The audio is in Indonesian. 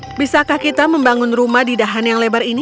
tapi bisakah kita membangun rumah di dahan yang lebar ini